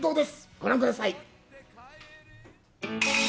ご覧ください！